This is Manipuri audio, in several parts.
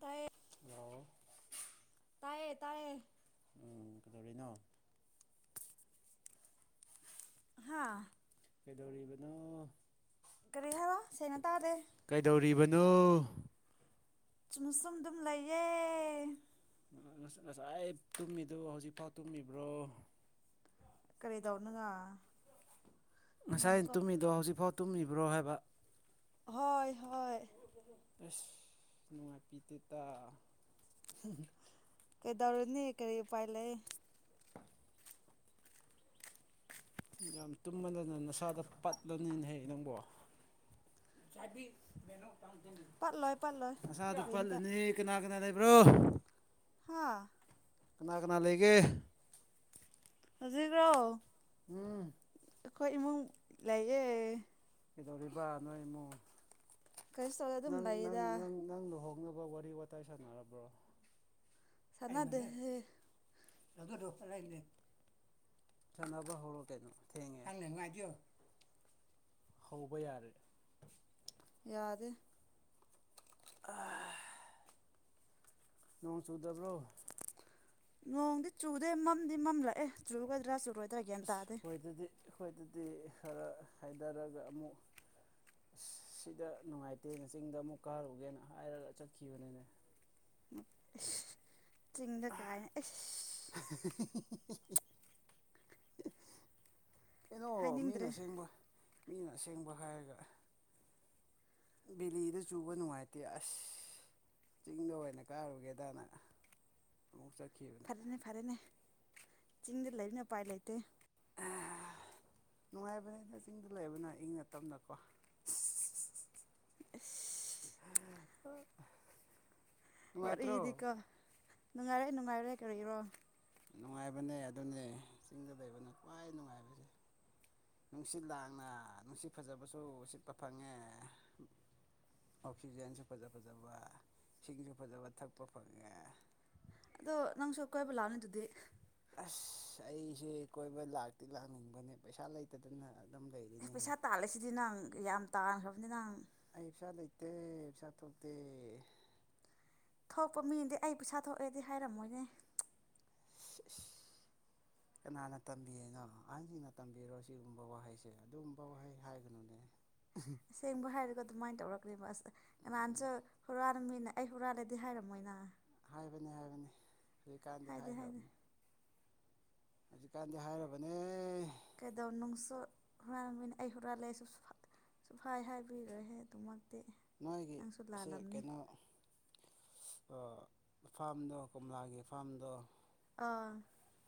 ꯇꯥꯏꯌꯦ ꯑ ꯇꯥꯌꯦ ꯇꯥꯌꯦ ꯅꯣ ꯍꯥꯥ ꯀꯩꯗꯧꯔꯤꯕꯅꯣ ꯀꯔꯤ ꯍꯥꯏꯕ ꯁꯦꯡꯅ ꯇꯥꯗꯦ ꯀꯩꯗꯧꯔꯤꯕꯅꯣ ꯁꯨꯝ ꯑꯗꯨꯝ ꯂꯩꯌꯦ ꯉꯁꯥꯏ ꯇꯨꯝꯃꯤꯗꯨ ꯍꯧꯖꯤꯛꯐꯥꯎ ꯇꯨꯝꯃꯤꯕ꯭ꯔꯣ ꯀꯔꯤꯗꯧꯗꯅ ꯉꯁꯥꯏ ꯇꯨꯝꯃꯤꯗꯣ ꯍꯧꯖꯤꯛꯐꯥꯎ ꯇꯨꯝꯃꯤꯕ꯭ꯔꯣ ꯍꯥꯏꯕ ꯍꯣꯏ ꯍꯣꯏ ꯑꯁ ꯅꯨꯡꯉꯥꯏꯄꯤꯗꯦꯗ ꯀꯩꯗꯧꯔꯨꯅꯤ ꯀꯔꯤ ꯎꯄꯥꯏ ꯂꯩ ꯌꯥꯝ ꯇꯨꯝꯃꯗꯅ ꯅꯁꯥꯗꯣ ꯄꯠꯂꯅꯤꯅꯦꯍꯦ ꯅꯪꯕꯣ ꯍꯥꯏꯕꯤꯌꯣ ꯇꯥꯁꯤ ꯄꯠꯂꯣꯏ ꯄꯠꯂꯣꯏ ꯅꯁꯥꯗꯨ ꯀꯔꯤꯝꯇ ꯄꯠꯂꯅꯤ ꯀꯅꯥ ꯀꯅꯥ ꯂꯩꯕ꯭ꯔꯣ ꯍꯥ ꯀꯅꯥ ꯀꯅꯥ ꯂꯩꯒꯦ ꯍꯧꯖꯤꯛꯂꯣ ꯎꯝ ꯑꯩꯈꯣꯏ ꯏꯃꯨꯡ ꯂꯩꯌꯦ ꯀꯩꯗꯧꯔꯤꯕ ꯅꯣꯏ ꯏꯃꯨꯡ ꯀꯔꯤꯁꯨ ꯇꯧꯗꯦ ꯑꯗꯨꯝ ꯅꯪ ꯅꯪ ꯂꯩꯌꯦꯗ ꯅꯪ ꯅꯪ ꯂꯨꯍ ꯍꯣꯡꯅꯕ ꯋꯥꯔꯤ ꯋꯥꯇꯥꯏ ꯁꯥꯟꯅꯔꯕ꯭ꯔꯣ ꯁꯥꯟꯅꯗꯦꯍꯦ ꯁꯥꯟꯅꯕ ꯍꯧꯔ ꯀꯩꯅꯣ ꯊꯦꯡꯉꯦ꯫ ꯁꯪꯅ ꯃꯥꯗꯤꯌꯣ ꯍꯧꯕ ꯌꯥꯔꯦ ꯌꯥꯗꯦ ꯅꯣꯡ ꯆꯨꯗꯕ꯭ꯔꯣ ꯅꯣꯡꯗꯤ ꯆꯨꯗꯦ ꯃꯝꯗꯤ ꯃꯝꯂꯛꯑꯦ ꯆꯨꯒꯗ꯭ꯔꯥ ꯆꯨꯔꯣꯏꯗ ꯑꯁ ꯑꯩꯈꯣꯏꯗꯗꯤ ꯑꯩꯈꯣꯏꯗꯗꯤ ꯈꯔ ꯍꯩꯊꯔꯒ ꯑꯃꯨꯛ ꯑꯁ ꯁꯤꯗ ꯅꯨꯡꯉꯥꯏꯇꯦꯅ ꯆꯤꯡꯗ ꯑꯃꯨꯛ ꯀꯥꯔꯨꯒꯦꯅ ꯍꯥꯏꯔꯒ ꯆꯠꯈꯤꯕꯅꯤꯅꯦ [unintelligible] ꯆꯤꯡꯗ ꯀꯥꯏꯌꯦ ꯑꯁ [inaudible] ꯀꯩꯅꯣ ꯃꯤꯅ ꯍꯥꯏꯅꯤꯡꯗ꯭ꯔꯦ ꯑꯁꯦꯡꯕ ꯃꯤꯅ ꯑꯁꯦꯡꯕ ꯍꯥꯏꯔꯒ ꯕꯦꯂꯤꯗ ꯆꯨꯕ ꯅꯨꯡꯉꯥꯏꯇꯦ ꯑꯁ ꯆꯤꯡꯗ ꯑꯣꯏꯅ ꯀꯥꯔꯨꯒꯦꯗꯅ ꯆꯠꯈꯤꯕ ꯐꯔꯦꯅꯦ ꯐꯔꯦꯅꯦ ꯆꯤꯡꯗ ꯂꯩꯕꯅ ꯎꯄꯥꯏ ꯂꯩꯇꯦ [unintelligible] ꯅꯨꯡꯉꯥꯏꯕꯅꯦ ꯆꯤꯡꯗ ꯂꯩꯕꯅ ꯏꯪꯅ ꯇꯞꯅꯀꯣ ꯑꯁ ꯅꯨꯡꯉꯥꯏꯇ꯭ꯔꯣ ꯋꯥꯔꯝꯗꯤꯀꯣ ꯅꯨꯡꯉꯥꯏꯔꯦ ꯅꯨꯡꯉꯥꯏꯔꯦ ꯀꯔꯤꯔꯣ ꯅꯨꯡꯉꯥꯏꯕꯅꯦ ꯑꯗꯨꯅꯦ ꯆꯤꯡꯗ ꯂꯩꯕꯅ ꯈ꯭ꯋꯥꯏ ꯅꯨꯡꯉꯥꯏꯕꯅꯦ ꯅꯨꯡꯁꯤꯠ ꯂꯥꯡꯅ ꯅꯨꯡꯁꯤꯠ ꯐꯖꯕꯁꯨ ꯁꯤꯠꯄ ꯐꯪꯉꯦ ꯑꯣꯛꯁꯤꯖꯦꯟꯁꯨ ꯐꯖ ꯐꯖꯕ ꯏꯁꯤꯡꯁꯨ ꯐꯖꯕ ꯊꯛꯄ ꯐꯪꯉꯦ ꯑꯗꯣ ꯅꯪꯁꯨ ꯀꯣꯏꯕ ꯂꯥꯛꯑꯝ ꯃꯤꯗꯨꯗꯤ ꯑꯁ ꯑꯩꯁꯦ ꯀꯣꯏꯕ ꯂꯥꯛꯇꯤ ꯂꯥꯛꯅꯤꯡꯕꯅꯦ ꯄꯩꯁꯥ ꯂꯩꯇꯗꯅ ꯑꯗꯨꯝ ꯑꯦ ꯂꯩꯔꯤꯅꯦꯍꯦ ꯄꯩꯁꯥ ꯇꯥꯜꯂꯁꯤꯗꯤ ꯅꯪ ꯌꯥꯝ ꯇꯥꯟꯈ꯭ꯔꯕꯅꯤ ꯅ ꯑꯩ ꯄꯁꯥ ꯂꯩꯇꯦ ꯄꯩꯁꯥ ꯊꯣꯛꯇꯦ ꯊꯣꯛꯄ ꯃꯤꯗꯤ ꯑꯩ ꯄꯩꯁꯥ ꯊꯣꯛꯑꯦꯗꯤ ꯍꯥꯏꯔꯝꯃꯣꯏꯅꯦ [inaudible] ꯀꯅꯥꯅ ꯇꯝꯕꯤꯌꯤꯅꯣ ꯑꯍꯟꯖꯤꯡꯅ ꯇꯝꯕꯤꯔꯣ ꯁꯤꯒꯨꯝꯕ ꯋꯥꯍꯩꯁꯦ ꯑꯗꯨꯒꯨꯝꯕ ꯋꯥꯍꯩ ꯍꯥꯏꯒꯅꯨꯅꯦ [inaudible] ꯑꯁꯦꯡꯕ ꯍꯥꯏꯔꯒ ꯑꯗꯨꯃꯥꯏꯅ ꯇꯧꯔꯛꯅꯦꯕ ꯑꯁ ꯀꯅꯥꯅꯁꯨ ꯍꯨꯔꯥꯜꯕ ꯃꯤꯅ ꯑꯩ ꯍꯨꯔꯥꯜꯂꯦꯗꯤ ꯍꯥꯏꯔꯝꯃꯣꯏꯅ ꯍꯥꯏꯕꯅꯦ ꯍꯥꯏꯕꯅꯦ ꯊꯨꯏꯀꯥꯟꯗꯤ ꯍꯥꯏꯗꯦ ꯍꯥꯏꯗꯦ ꯍꯥꯏꯈ꯭ꯔꯕꯅꯦ ꯍꯧꯖꯤꯛꯀꯥꯟꯗꯤ ꯍꯥꯏꯔꯕꯅꯦ ꯀꯩꯗꯧ ꯅꯨꯡꯁꯨ ꯉꯥꯡꯃꯅꯤ ꯑꯩ ꯍꯨꯔꯥꯟ ꯂꯦꯁꯨ [unintelligible] ꯍꯥꯏꯕꯤꯒ꯭ꯔꯦꯍꯦ ꯑꯗꯨꯃꯛꯇꯤ ꯅꯪꯁꯨ ꯃꯣꯏꯒꯤꯁꯦ ꯂꯥꯜꯂꯝꯅꯤ ꯀꯩꯅꯣ ꯑ ꯐꯥꯔꯝꯗꯣ ꯀꯣꯝꯂꯥꯒꯤ ꯐꯥꯔꯝꯗꯣ ꯑꯥ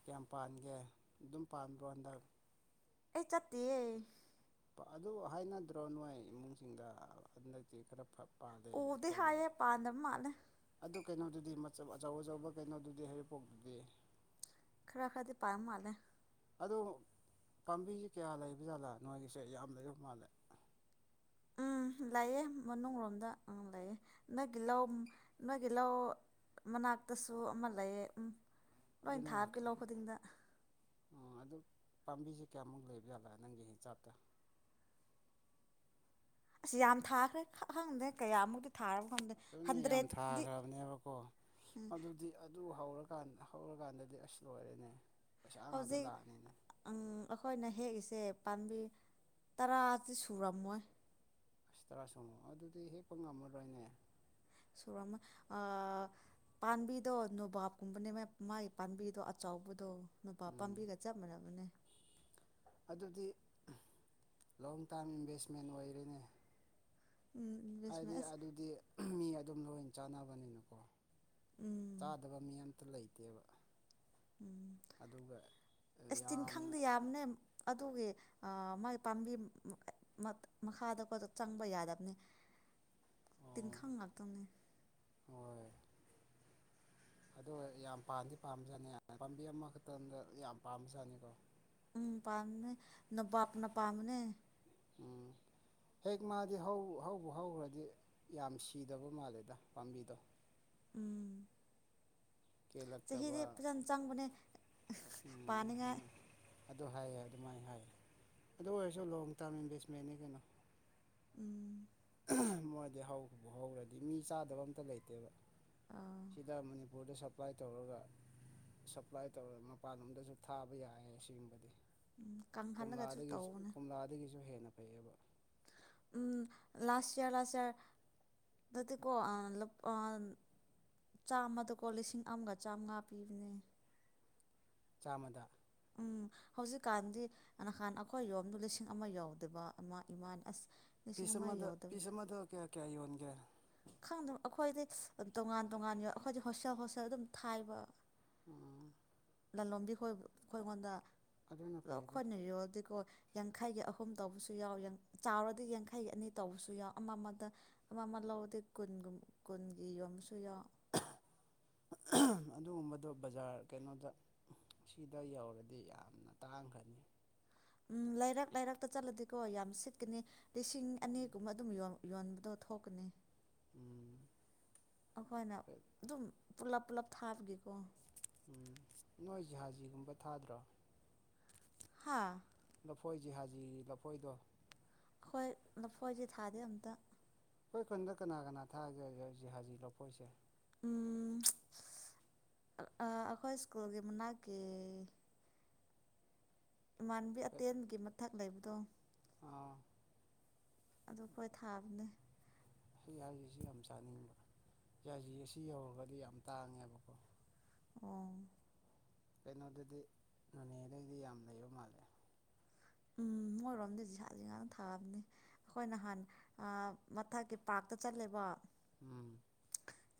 ꯀꯌꯥꯝ ꯄꯥꯟꯒꯦ ꯑꯗꯨꯝ ꯄꯥꯟꯕꯔꯣ ꯍꯟꯗꯛ ꯑꯩ ꯆꯠꯇꯤꯌꯦ ꯑꯗꯨ ꯍꯥꯏꯅꯗ꯭ꯔꯣ ꯅꯣꯏ ꯏꯃꯨꯡꯁꯤꯡꯗ ꯍꯟꯗꯛꯇꯤ ꯈꯔ ꯐꯕ ꯎꯗꯦ ꯍꯥꯏꯌꯦ ꯄꯥꯟꯗꯃ ꯃꯥꯜꯂꯦ ꯑꯗꯨ ꯀꯩꯅꯣꯗꯨꯗꯤ ꯑꯆꯧ ꯑꯆꯧꯕ ꯀꯩꯅꯣꯗꯨꯗꯤ ꯍꯩꯔꯤꯄꯣꯛꯇꯨꯗꯤ ꯈꯔ ꯈꯔꯗꯤ ꯄꯥꯜ ꯃꯥꯜꯂꯦ ꯑꯗꯨ ꯄꯥꯝꯕꯤꯖꯤ ꯀꯌꯥ ꯂꯩꯕꯖꯥꯠꯂꯥ ꯅꯣꯏꯒꯤꯁꯦ ꯌꯥꯝ ꯂꯩꯕ ꯃꯥꯜꯂꯦ ꯂꯥꯛꯑꯦ ꯃꯅꯨꯡ ꯂꯣꯝꯗ ꯑꯪ ꯂꯥꯛꯑꯦ ꯅꯣꯏꯒꯤ ꯂꯧ ꯅꯣꯏꯒꯤ ꯂꯧ ꯃꯅꯥꯛꯇꯁꯨ ꯑꯃ ꯂꯩꯌꯦ ꯂꯣꯏ ꯑꯗꯨꯅꯦ ꯊꯥꯔꯒ ꯂꯧꯕꯅꯤꯅ ꯑꯗꯨ ꯄꯥꯝꯕꯤꯁꯦ ꯀꯌꯥꯃꯨꯛ ꯂꯩꯕ ꯌꯥꯠꯂꯦ ꯅꯪꯒꯤ ꯍꯤꯡꯆꯥꯛꯇ ꯑꯁ ꯌꯥꯝ ꯊꯥꯈ꯭ꯔꯦ ꯈ ꯈꯪꯗ꯭ꯔꯦ ꯀꯌꯥꯃꯨꯛꯇ ꯊꯥꯔꯕ ꯈꯟꯗꯦ ꯑꯗꯨꯅꯦ ꯌꯥꯝ ꯊꯥꯈ꯭ꯔꯕꯅꯦꯕꯀꯣ ꯑꯗꯨꯗꯤ ꯑꯗꯨ ꯍꯧꯔꯀꯥꯟ ꯍꯧꯔꯀꯥꯟꯗꯗꯤ ꯑꯁ ꯂꯣꯏꯔꯦꯅꯦ ꯄꯩꯁꯥ ꯉꯥꯛꯇ ꯂꯥꯛꯑꯅꯤꯅꯦ ꯑ ꯑꯩꯈꯣꯏꯅ ꯍꯦꯛꯏꯁꯦ ꯄꯥꯝꯕꯤ ꯇꯔꯥꯗꯤ ꯁꯨꯔꯝꯃꯣꯏ [unintelligible] ꯑꯗꯨꯗꯤ ꯍꯦꯛꯄ ꯉꯝꯃꯔꯣꯏꯅꯦ ꯁꯨꯔꯝꯃꯣꯏ ꯑ ꯄꯥꯝꯕꯤꯗꯣ ꯅꯣꯕꯥꯞꯀꯨꯝꯕꯅꯦ ꯃꯥꯏ ꯄꯥꯝꯕꯤꯗꯣ ꯑꯆꯧꯕꯗꯣ ꯅꯨꯕꯥꯕ ꯎꯝ ꯄꯥꯝꯕꯤꯒ ꯆꯞ ꯃꯥꯟꯅꯕꯅꯦ ꯑꯗꯨꯗꯤ ꯂꯣꯡ ꯇꯥꯝ ꯏꯟꯚꯦꯁꯃꯦꯟ ꯑꯣꯏꯔꯦꯅꯦ ꯎꯝ ꯏꯟꯚꯦꯁꯃꯦꯟ ꯍꯥꯏꯗꯤ ꯑꯁ ꯑꯗꯨꯗꯤ ꯃꯤ ꯑꯗꯨꯝ ꯂꯣꯏꯅ ꯆꯥꯟꯅꯕꯅꯤꯅꯀꯣ ꯎꯝ ꯆꯥꯗꯕ ꯃꯤ ꯑꯝ ꯂꯩꯇꯦꯕ ꯎꯝ ꯑꯗꯨꯒ ꯑꯁ ꯌꯥꯝꯅ ꯇꯤꯟꯈꯪꯗꯤ ꯌꯥꯝꯕꯅꯦ ꯑꯗꯨꯒꯤ ꯑ ꯃꯥꯏ ꯄꯥꯝꯕꯤ [unintelligible] ꯃꯈꯥꯗꯀ ꯆꯪꯕ ꯌꯥꯗꯕꯅꯤ ꯑꯣ ꯇꯤꯟꯈꯥꯡ ꯉꯥꯛꯇꯧꯅꯦ ꯍꯣꯏ ꯑꯗꯣ ꯌꯥꯝ ꯄꯥꯝꯗꯤ ꯄꯥꯝꯕꯖꯥꯅꯤ ꯄꯥꯝꯕꯤ ꯑꯃꯈꯛꯇꯪꯗ ꯌꯥꯝ ꯄꯥꯝꯕꯖꯥꯠꯅꯤꯀꯣ ꯎꯝ ꯄꯥꯝꯅꯦ ꯅ ꯄꯞꯅ ꯄꯥꯝꯅꯦ ꯎꯝ ꯍꯦꯛ ꯃꯥꯗꯤ ꯍꯧꯕ ꯍꯧꯈ꯭ꯔꯗꯤ ꯌꯥꯝ ꯁꯤꯗꯕ ꯃꯥꯜꯂꯦꯗ ꯄꯥꯝꯕꯤꯗꯣ ꯎꯝ ꯀꯦꯜꯂꯛꯇꯕ ꯆꯍꯤꯗꯤꯦ ꯐꯖꯅ ꯆꯪꯕꯅꯦ ꯎꯝ ꯄꯥꯅꯤꯡꯉꯥꯏ ꯑꯗꯨ ꯑꯗꯨ ꯍꯥꯏꯌꯦꯦ ꯑꯗꯨꯃꯥꯏꯅ ꯍꯥꯏꯌꯦ ꯑꯗꯨ ꯑꯣꯏꯔꯁꯨ ꯂꯣꯡ ꯇꯥꯔꯝ ꯏꯟꯚꯦꯁꯃꯦꯟꯅꯤ ꯀꯩꯅꯣ ꯎꯝ ꯃꯣꯏꯗꯤ ꯍꯧ ꯍꯧꯔꯗꯤ ꯃꯤ ꯆꯥꯗꯕ ꯑꯝꯇ ꯂꯩꯇꯦꯕ ꯑꯥ ꯁꯤꯗ ꯃꯅꯤꯨꯔ ꯕꯣꯔꯗ ꯁꯞꯄ꯭ꯂꯥꯏ ꯇꯧꯔꯒ ꯁꯞꯄ꯭ꯂꯥꯏ ꯇꯧꯔ ꯃꯄꯥꯟꯂꯣꯝꯗꯁꯨ ꯊꯥꯕ ꯌꯥꯏꯑꯌꯦ ꯑꯁꯤꯒꯦꯡꯕꯗꯤ ꯎꯝ ꯀꯪꯍꯜꯂꯒꯁꯨ ꯀꯣꯝꯂꯥꯗꯒꯤ ꯇꯧꯕꯅꯦ ꯀꯣꯝꯂꯥꯗꯒꯤꯁꯨ ꯍꯦꯟꯅ ꯐꯩꯑꯕ ꯎꯝ ꯂꯥꯁ꯭ꯇ ꯏꯌꯥꯔ ꯂꯥꯁ꯭ꯇ ꯏꯌꯥꯔ ꯗꯥꯗꯤꯀꯣ ꯑꯟ ꯑꯟ ꯆꯥꯝꯃꯗꯀꯣ ꯂꯤꯁꯤꯡ ꯑꯃꯒ ꯆꯥꯝꯃꯉꯥ ꯄꯤꯕꯅꯦ ꯆꯥꯝꯃꯗ ꯎꯝ ꯍꯧꯖꯤꯛ ꯀꯥꯟꯗꯤ ꯅꯍꯥꯟ ꯑꯩꯈꯣꯏ ꯌꯣꯝꯗ ꯂꯤꯁꯤꯡ ꯑꯃ ꯌꯥꯎꯗꯕ ꯑꯃ ꯏꯃꯥ ꯑꯁ ꯂꯤꯁꯤꯡ ꯄꯤꯁ ꯑꯃ ꯑꯃꯗ ꯌꯧꯗꯕ ꯄꯤꯁ ꯑꯃꯗ ꯀꯌꯥ ꯀꯌꯥ ꯌꯣꯟꯒꯦ ꯈꯪꯗꯕ ꯑꯩꯈꯣꯏꯗꯤ ꯇꯣꯉꯥꯟ ꯇꯣꯉꯥꯟ ꯌ ꯑꯩꯈꯣꯏꯗꯤ ꯍꯣꯁꯇꯦꯜ ꯍꯣꯁꯇꯦꯜ ꯑꯗꯨꯝ ꯊꯥꯏꯕ ꯎꯝ ꯂꯂꯣꯕꯤ ꯑꯩꯈꯣꯏ ꯑꯩꯉꯣꯟꯗ ꯑꯗꯨꯅ ꯑ ꯐꯩꯗ ꯈꯣꯠꯅꯔꯤꯣꯗꯤꯀꯣ ꯌꯥꯡꯈꯩꯒꯤ ꯑꯍꯨꯝ ꯇꯧꯕꯁꯨ ꯌꯥꯎ ꯆꯥꯎꯔꯗꯤ ꯌꯥꯡꯈꯩꯒꯤ ꯑꯅꯤ ꯇꯧꯕꯁꯨ ꯌꯥꯎ ꯑꯃ ꯑꯃꯗ ꯑꯃ ꯑꯃ ꯂꯧꯎꯗꯗꯤ ꯀꯨꯟꯒꯨꯝ ꯀꯨꯟꯒꯤ ꯌꯣꯟꯝꯁꯨ ꯌꯥꯎ ꯑꯗꯨꯒꯨꯝꯕꯗꯣ ꯕꯖꯥꯔ ꯀꯩꯅꯣꯗ ꯁꯤꯗ ꯌꯧꯔꯗꯤ ꯌꯥꯝꯅ ꯇꯥꯡꯒꯅꯤ ꯎꯝ ꯂꯩꯔꯛ ꯂꯩꯔꯛꯇ ꯆꯠꯂꯗꯤꯀꯣ ꯌꯥꯝ ꯁꯤꯠꯀꯅꯤ ꯂꯤꯁꯤꯡ ꯑꯅꯤꯒꯨꯝꯕ ꯑꯗꯨꯝ ꯌꯣꯟꯕꯗꯣ ꯊꯣꯛꯀꯅꯤ ꯎꯝ ꯑꯩꯈꯣꯏꯅ ꯑꯗꯨꯝ ꯄꯨꯂꯞ ꯄꯨꯂꯞ ꯊꯥꯕꯒꯤꯀꯣ ꯎꯝ ꯅꯣꯏ ꯖꯍꯥꯖꯤꯒꯨꯝꯕ ꯊꯥꯗ꯭ꯔꯣ ꯍꯥꯥ ꯂꯐꯣꯏ ꯖꯤꯍꯖꯤ ꯂꯐꯣꯏꯗꯣ ꯍꯣꯏ ꯂꯐꯣꯏꯁꯦ ꯊꯥꯗꯦ ꯑꯝꯇ ꯑꯩꯈꯣꯏ ꯈꯨꯟꯗ ꯀꯅꯥ ꯀꯅꯥ ꯊꯥꯖꯒꯦ ꯍꯧꯖꯤꯛ ꯍꯧꯖꯤ ꯂꯈꯣꯛꯁꯦ ꯎꯝ ꯑꯩꯈꯣꯏ ꯁ꯭ꯀꯨꯜꯒꯤ ꯃꯅꯥꯛꯀꯤ ꯏꯃꯥꯟꯕꯤ ꯑꯇꯦꯟꯒꯤ ꯃꯊꯛ ꯂꯩꯕꯗꯣ ꯑꯥ ꯑꯗꯨ ꯑꯩꯈꯣꯏ ꯊꯥꯕꯅꯤ ꯌꯥꯖꯤꯁꯤ ꯌꯥꯝ ꯆꯥꯅꯤꯡꯕ ꯌꯥꯖꯤ ꯑꯁꯤ ꯌꯧꯔꯒꯗꯤ ꯌꯥꯝ ꯇꯥꯡꯉꯦꯕꯀꯣ ꯑꯣ ꯀꯩꯅꯣꯗꯗꯤ ꯅꯣꯅꯦꯗꯩꯗꯤ ꯌꯥꯝ ꯂꯩꯕ ꯃꯥꯜꯂꯦ ꯎꯝ ꯃꯣꯏꯔꯣꯝꯗ ꯁꯥꯁꯤ ꯉꯥꯛꯅ ꯊꯥꯑꯕꯅꯤ ꯑꯩꯈꯣꯏ ꯅꯍꯥꯟ ꯃꯊꯛꯀꯤ ꯄꯥꯔꯛꯇ ꯆꯠꯂꯦꯕ ꯎꯝ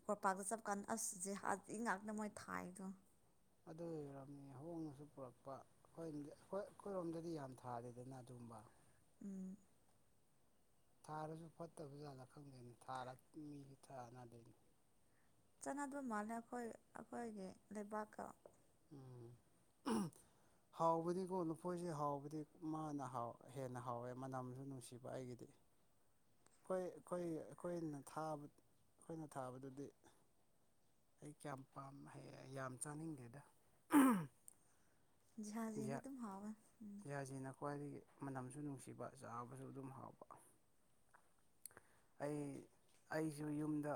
ꯀꯣꯔꯄꯥꯛꯇ ꯆꯞꯄꯀꯥꯟꯗ ꯑꯁꯁꯦ ꯍꯗꯤ ꯉꯥꯛꯇ ꯃꯣꯏ ꯊꯥꯏꯗꯣ ꯑꯗꯨꯔꯝꯅꯤ ꯍꯣꯡꯅꯁꯨ ꯄꯨꯔꯛꯄ ꯑꯩꯈꯣꯏ ꯑꯩꯈꯣꯏ ꯑꯩꯈꯣꯏꯔꯣꯝꯗꯗꯤ ꯌꯥꯝ ꯊꯥꯔꯦꯗꯅ ꯑꯗꯨꯒꯕ ꯎꯝ ꯊꯥꯔꯁꯨ ꯐꯠꯇꯕꯖꯥꯠꯂ ꯈꯪꯗꯣꯏꯅꯦ ꯊꯥꯔ ꯃꯤꯁꯨ ꯊꯥꯅꯗꯣꯏꯅꯤ ꯆꯥꯟꯅꯗꯕ ꯃꯥꯜꯂꯦ ꯑꯩꯈꯣꯏ ꯑꯩꯈꯣꯏꯒꯤ ꯂꯩꯕꯥꯛꯀ ꯎꯝ ꯍꯥꯎꯕꯗꯤꯀꯣ ꯂꯨꯐꯣꯏꯁꯦ ꯍꯥꯎꯕꯗꯤ ꯃꯥꯅ ꯍꯥꯎ ꯍꯦꯟꯅ ꯍꯥꯎꯋꯦ ꯃꯅꯝꯁꯨ ꯅꯨꯡꯁꯤꯕ ꯑꯩꯒꯤꯗꯤ ꯑꯩꯈꯣꯏ ꯑꯩꯈꯣꯏ ꯑꯩꯈꯣꯏꯅ ꯊꯥꯕ ꯑꯩꯈꯣꯏꯅ ꯊꯥꯕꯗꯨꯗꯤ ꯑꯩ ꯀꯌꯥꯝ ꯄꯥꯝ ꯌꯥꯝ ꯆꯥꯅꯤꯡꯗꯦꯗ ꯍꯖꯤ ꯇꯨ ꯍꯥꯕ ꯁꯤꯅ ꯈ꯭ꯋꯥꯏꯗꯒꯤ ꯃꯅꯝꯁꯨ ꯅꯨꯡꯁꯤꯕ ꯆꯥꯕꯁꯨ ꯑꯗꯨꯝ ꯍꯥꯎꯕ ꯑꯩ ꯑꯩꯁꯨ ꯌꯨꯝꯗ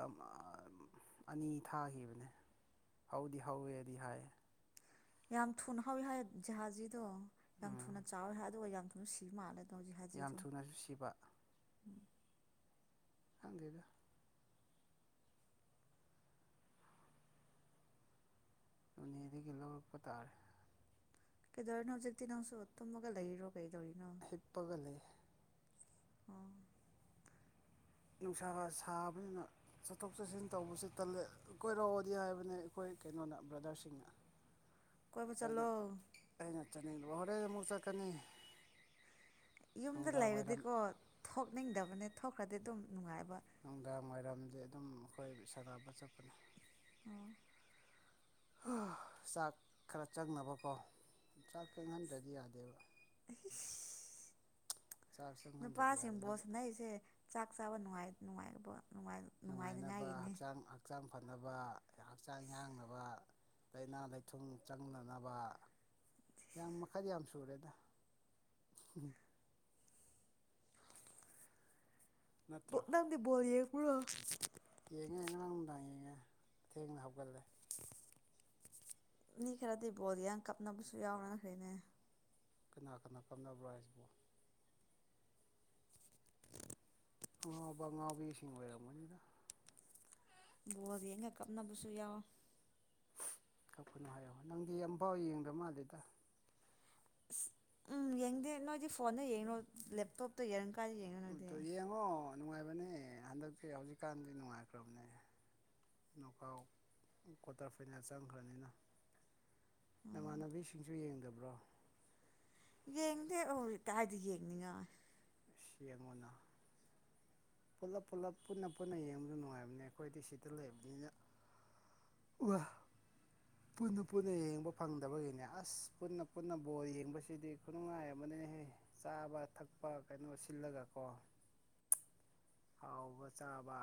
ꯑꯅꯤ ꯊꯥꯈꯤꯕꯅꯦ ꯍꯧꯗꯤ ꯍꯧꯋꯦꯗꯤ ꯍꯥꯏ ꯌꯥꯝ ꯊꯨꯅ ꯍꯥꯎꯋꯤ ꯍꯥꯏ ꯖꯍꯥꯖꯤꯗꯣ ꯌꯥꯝ ꯊꯨꯅ ꯎꯝ ꯆꯥꯎꯋꯤ ꯍꯥꯏ ꯑꯗꯨꯒ ꯌꯥꯝ ꯊꯨꯅ ꯁꯤꯕ ꯃꯥꯜꯂꯦ ꯑꯗꯣ ꯌꯥꯝ ꯖꯍꯥꯖꯤꯗꯣ ꯊꯨꯅꯁꯨ ꯁꯤꯕ ꯍꯪꯗꯗ ꯅꯣꯅꯤꯗꯒꯤ ꯂꯧꯔꯛꯄ ꯇꯥꯔꯦ ꯀꯩꯗꯧꯔꯤꯅꯣ ꯍꯧꯖꯤꯛꯇꯤ ꯅꯪꯁꯨ ꯇꯨꯝꯃꯒ ꯂꯩꯔꯤꯔꯣ ꯀꯩꯗꯧꯔꯤꯅꯣ ꯄꯤꯄꯒ ꯂꯩ ꯑ ꯅꯨꯡꯁꯥ ꯁꯥꯕꯅꯤꯅ ꯆꯠꯊꯣꯛ ꯆꯠꯁꯤꯟ ꯇꯧꯕꯁꯤ ꯇꯂꯦ ꯀꯣꯏꯔꯛꯑꯣꯗꯤ ꯍꯥꯏꯕꯅꯦ ꯑꯩꯈꯣꯏ ꯀꯩꯅꯣꯅ ꯕ꯭ꯔꯗꯔꯁꯤꯡꯅ [unintelligible] [inaudible] ꯀꯣꯏꯕ ꯆꯂꯣ ꯀꯇꯅꯤ ꯍꯣꯔꯦ ꯃꯨꯆꯥꯛꯀꯅꯤ ꯌꯨꯝꯗ ꯂꯩꯔꯗꯤꯀꯣ ꯊꯣꯛꯅꯤꯡꯗꯕꯅꯦ ꯊꯣꯛꯈ꯭ꯔꯗꯤ ꯑꯗꯨꯝ ꯅꯨꯡꯉꯥꯏꯕ ꯅꯨꯡꯗꯥꯡ ꯋꯥꯏꯔꯝꯗꯤ ꯑꯗꯨꯝ ꯑꯩꯈꯣꯏ ꯁꯥꯟꯒꯥꯅꯕ ꯆꯠꯄꯅꯤ ꯑꯣ ꯑꯣ ꯆꯥꯛ ꯈꯔ ꯆꯪꯅꯕꯀꯣ ꯆꯥꯛ ꯆꯪꯍꯟꯗ꯭ꯔꯗꯤ ꯌꯥꯗꯦꯕ ꯆꯥꯛ ꯆꯪꯍꯟꯗ꯭ꯔꯗꯤ ꯌꯥꯗꯦ ꯅꯨꯄꯥꯁꯤꯡꯕꯣꯁ ꯅ ꯑꯩꯁꯦ ꯆꯥꯛ ꯆꯥꯕ ꯅꯨꯡꯉꯥꯏ ꯅꯨꯡꯉꯥꯏꯅꯕ ꯅꯨꯡꯉꯥꯏꯅꯤꯉꯥꯏꯒꯤꯅꯦ ꯍꯛꯆꯥꯡ ꯍꯛꯆꯥꯡ ꯐꯅꯕ ꯍꯛꯆꯥꯡ ꯌꯥꯡꯅꯕ ꯂꯥꯏꯅꯥ ꯂꯩꯊꯨꯡ ꯆꯪꯅꯅꯕ ꯍ ꯃꯈꯜ ꯌꯥꯝ ꯁꯨꯔꯦꯗ ꯎꯝ ꯅꯠꯇ꯭ꯔꯥ ꯅꯥꯝꯗꯤ ꯣꯂꯤ ꯀꯣ ꯌꯦꯡꯉꯦ ꯉꯔꯥꯡ ꯅꯨꯡꯗꯥꯡ ꯌꯦꯡꯉꯦ ꯊꯦꯡꯅ ꯍꯥꯞꯒꯜꯂꯦ ꯃꯤ ꯈꯔꯗꯤ ꯕꯣꯜꯒꯌꯥ ꯀꯞꯅꯕꯁꯨ ꯌꯥꯎꯔꯅꯈꯩꯅꯦ ꯀꯅꯥ ꯀꯅꯥ ꯀꯝꯅꯕ꯭ꯔꯥ ꯍꯥꯏꯁꯤꯕꯣ ꯑꯉꯥꯎꯕ ꯑꯉꯥꯕꯤꯁꯤꯡ ꯑꯣꯏꯔꯝꯕꯅꯤꯅ ꯗ ꯌꯦꯡ ꯀꯞꯅꯕꯨꯁꯨ ꯌꯥꯌꯥꯎꯣ ꯀꯛꯄꯅꯨ ꯍꯥꯏꯌꯛ ꯅꯪꯗꯤ ꯌꯥꯝꯐꯥꯎ ꯌꯦꯡꯗꯕ ꯃꯥꯜꯂꯦꯗ ꯎꯝ ꯌꯦꯡꯗꯦ ꯅꯣꯏꯗꯤ ꯐꯣꯟꯗ ꯌꯦꯡꯉꯨꯔꯣ ꯂꯦꯞꯇꯣꯞꯇ ꯌꯦꯡ ꯀꯥꯟꯗ ꯌꯦꯡ ꯌꯦꯡꯉꯣ ꯅꯨꯡꯉꯥꯏꯕꯅꯦ ꯍꯟꯗꯛꯤ ꯍꯧꯖꯤꯛꯀꯥꯟꯗꯤ ꯅꯨꯡꯉꯥꯏꯈ꯭ꯔꯕꯅꯦ ꯀꯥꯎ ꯀ꯭ꯋꯥꯇꯔ ꯐꯥꯏꯅꯦꯜ ꯆꯪꯈ꯭ꯔꯅꯤꯅ ꯎꯝ ꯅꯃꯥꯟꯅꯕꯤꯁꯤꯡꯁꯨ ꯌꯦꯡꯗꯕ꯭ꯔꯣ ꯌꯦꯡꯉꯅꯦꯦ ꯑꯣꯗꯤ ꯌꯦꯡꯉꯅꯤꯉ ꯁꯤ ꯌꯦꯉꯣꯅ ꯄꯨꯂꯞ ꯄꯨꯂꯞ ꯄꯨꯟꯅ ꯄꯨꯟꯅ ꯌꯦꯡꯕꯗꯣ ꯅꯨꯡꯉꯥꯏꯕꯅꯦ ꯑꯩꯈꯣꯏꯗꯤ ꯁꯤꯗ ꯂꯩꯕꯅꯤꯅ [unintelligible] ꯄꯨꯟꯅ ꯄꯨꯟꯅ ꯌꯦꯡꯕ ꯐꯪꯗꯕꯒꯤꯅꯦ ꯑꯁ ꯄꯨꯟꯅ ꯄꯨꯟꯅ ꯕꯣꯜ ꯌꯦꯡꯕꯁꯤꯗꯤ ꯈꯨꯅꯨꯡꯉꯥꯏ ꯑꯃꯍꯦ ꯆꯥꯕ ꯊꯛꯄ ꯀꯩꯅꯣ ꯁꯤꯜꯂꯒ ꯀꯣ ꯍꯥꯎꯕ ꯆꯥꯕ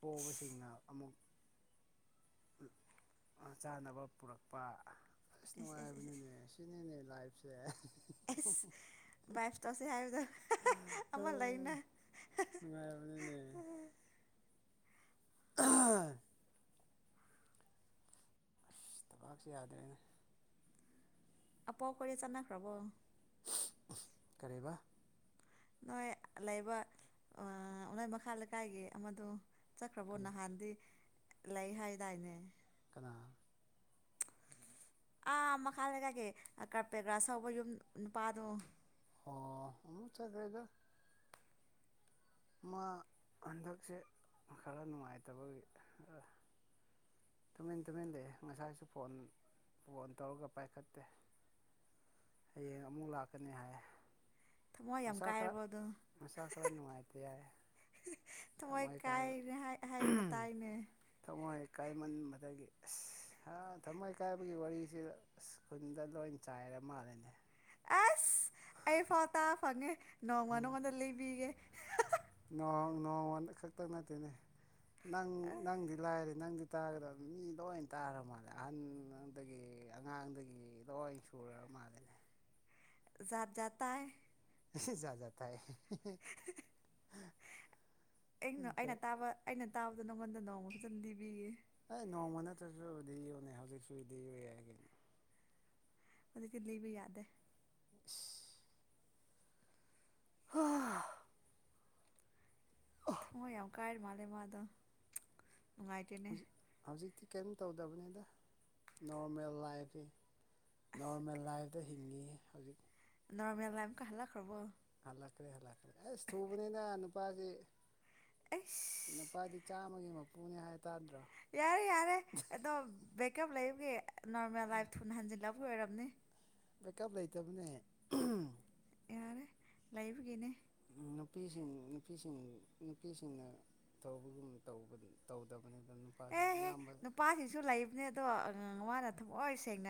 ꯄꯣꯕꯁꯤꯡꯅ ꯑꯃꯨꯛ ꯆꯥꯅꯕ ꯄꯨꯔꯛꯄ ꯑꯁ ꯅꯨꯡꯉꯥꯏꯕꯅꯤꯅꯦ ꯁꯤꯅꯤꯅꯦ ꯂꯥꯏꯐꯁꯦ ꯕꯥꯏꯞ ꯇꯧꯁꯦ ꯍꯥꯏꯕꯗꯣ ꯑꯃꯥ ꯂꯩꯅ ꯍꯥ ꯍꯥ ꯅꯨꯡꯉꯥꯏꯕꯅꯤꯅꯦ ꯍꯦ ꯑꯥ ꯊꯕꯥꯛꯁꯦ ꯌꯥꯗ꯭ꯔꯦꯅꯦ ꯑꯄꯣꯛ ꯕꯥꯗꯤ ꯆꯥꯟꯅꯈ꯭ꯔꯕꯣ ꯀꯔꯤꯕꯥ ꯅꯣꯏ ꯂꯩꯕ ꯅꯣꯏ ꯃꯈꯥ ꯂꯩꯀꯥꯏꯒꯤ ꯑꯃꯗꯣ ꯆꯠꯈ꯭ꯔꯕꯣ ꯀꯅꯥ ꯅꯍꯥꯟꯗꯤ ꯂꯩ ꯍꯥꯏꯗꯥꯏꯅꯦ꯫ ꯀꯅꯥ ꯑꯥ ꯃꯈꯥ ꯂꯩꯀꯥꯏꯒꯤ ꯀꯔꯄꯦꯒ꯭ꯔꯥ ꯍꯧꯕ ꯌꯨꯝ ꯅꯨꯄꯥꯗꯣ ꯑꯣ ꯎꯨꯠ ꯆꯥꯠꯔꯣꯏꯗ ꯃꯥ ꯍꯟꯗꯛꯁꯦ ꯈꯔꯥ ꯅꯨꯡꯉꯥꯏꯇꯕꯒꯤ ꯇꯨꯃꯤꯟ ꯇꯨꯃꯤꯟ ꯂꯩꯌꯦ ꯉꯁꯥꯏꯁꯨ ꯐꯣꯟ ꯐꯣꯟ ꯇꯧꯔꯒ ꯄꯥꯏꯈꯠꯇꯦ ꯍꯌꯦꯡ ꯑꯃꯨꯛ ꯂꯥꯛꯀꯅꯤ ꯍꯥꯏꯌꯦ ꯊꯃꯣꯏ ꯌꯥꯝ ꯃꯁꯥ ꯈꯔꯥ ꯀꯥꯏꯔꯕꯣ ꯑꯗꯣ ꯃꯁꯥ ꯈꯔꯥ ꯅꯨꯡꯉꯥꯏꯇꯦ ꯌꯥꯏꯌꯦ ꯊꯃꯣꯏ ꯀꯃꯥꯏ ꯀꯥꯏꯕꯥ ꯀꯥꯏꯔꯦ ꯍꯥꯏ ꯍꯥꯏꯅ ꯇꯥꯏꯅꯦ ꯊꯃꯣꯏ ꯀꯥꯏꯃꯟꯕꯗꯒꯤ ꯑꯁ ꯊꯃꯣꯏ ꯀꯥꯏꯕꯒꯤ ꯋꯥꯔꯤꯁꯤꯗꯥ ꯑꯁ ꯈꯨꯨꯟꯗ ꯂꯣꯏ ꯆꯥꯏꯔ ꯃꯥꯜꯂꯦꯅꯦ ꯑꯁ ꯑꯩ ꯐꯥꯎ ꯇ ꯐꯪꯉꯦ ꯅꯣꯡꯃ ꯅꯣꯡꯃꯗ ꯂꯩꯕꯤꯒꯦ ꯅꯣꯡ ꯅꯣꯡ ꯈꯛꯇꯪ ꯅꯠꯇꯦꯅꯦ ꯅꯪ ꯅꯪꯗꯤ ꯂꯥꯏꯔꯦ ꯅꯪꯗꯤ ꯇꯥꯒꯗꯕ ꯃꯤ ꯂꯣꯏ ꯇꯥꯔ ꯃꯥꯜꯂꯦ ꯑꯍꯟꯗꯒꯤ ꯑꯉꯥꯡꯗꯒꯤ ꯂꯣꯏ ꯁꯨꯔ ꯃꯥꯜꯂꯦꯅꯦ ꯫ ꯖꯠ ꯖꯠ ꯇꯥꯏꯌꯦ ꯏꯁ ꯖꯠ ꯖꯠ ꯊꯥꯏꯍꯦ ꯑꯩꯅ ꯑꯩꯅ ꯇꯥꯕ ꯑꯩꯅ ꯇꯥꯕꯗꯣ ꯅꯪꯉꯣꯟꯗ ꯅꯣꯡꯃ ꯐꯖꯅ ꯂꯤꯕꯤꯌꯦ ꯍꯣꯏ ꯅꯣꯡꯃ ꯅꯠꯇ꯭ꯔꯁꯨꯗꯤ ꯂꯤꯌꯣ ꯅꯦ ꯍꯧꯖꯤꯛꯁꯨꯗꯤ ꯂꯤꯕꯥ ꯌꯥꯏ ꯀꯩꯅꯣ ꯑꯗꯨꯗꯒꯤ ꯂꯩꯕ ꯌꯥꯗꯦ ꯏꯁ ꯑꯣ ꯊꯨꯡꯉꯣꯏ ꯌꯥꯝ ꯀꯥꯏꯔ ꯃꯥꯜꯂꯦ ꯃꯥꯗꯣ ꯅꯨꯡꯉꯥꯏꯇꯔ꯭ꯦ ꯅꯦ ꯍꯧꯖꯤꯛ ꯍꯧꯖꯤꯛꯇꯤ ꯀꯔꯤꯝ ꯇꯧꯗꯕꯅꯤꯗ ꯅꯣꯔꯃꯦꯜ ꯂꯥꯏꯐꯒꯤ ꯑꯁ ꯅꯣꯔꯃꯦꯜ ꯂꯥꯏꯐꯇ ꯍꯤꯡꯉꯤ ꯌꯦ꯫ ꯅꯣꯔꯃꯦꯜ ꯂꯥꯏꯐ ꯀ ꯍꯜꯂꯛꯈ꯭ꯔꯕꯣ꯫ ꯍꯜꯂꯛꯀ꯭ꯔꯦ ꯍꯜꯂꯛꯀ꯭ꯔꯦ ꯑꯩꯁ ꯊꯨꯕꯅꯤꯅ ꯅꯨꯄꯥꯁꯦ ꯑꯁ ꯅꯨꯄꯥꯗꯤ ꯆꯥꯝꯃꯒꯤ ꯃꯄꯨꯅꯦ ꯍꯥꯏ ꯇꯥꯗ꯭ꯔꯣ꯫ ꯌꯥꯔꯦ ꯌꯥꯔꯦ ꯑꯗꯣ ꯕꯦꯛꯀꯞ ꯂꯩꯕꯒꯤ ꯅꯣꯔꯃꯦꯜ ꯂꯥꯏꯐ ꯊꯨꯅ ꯍꯟꯖꯤꯜꯂꯕ ꯑꯣꯏꯔꯝꯅꯤ ꯕꯦꯛꯀꯞ ꯂꯩꯇꯕꯅꯦ ꯌꯥꯔꯦ ꯂꯩꯕꯒꯤ ꯅꯤ꯫ ꯅꯨꯄꯤꯁꯤꯡ ꯅꯨꯄꯤꯁꯤꯡ ꯅꯨꯄꯤꯁꯤꯡꯅ ꯊꯧꯕꯒꯨꯝ ꯇꯧꯕꯗꯤ ꯇꯧꯗꯕꯅꯦ ꯗꯥꯥ ꯅꯨ ꯑꯦꯍꯦ ꯅꯨꯄꯥꯁꯤꯁꯨ ꯂꯩꯕꯅꯦ ꯑꯗꯣꯥꯡ ꯃꯥꯅ ꯊꯃꯣꯏ ꯁꯦꯡꯅ